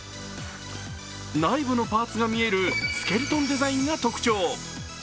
内部のパーツが見えるスケルトンデザインが特徴。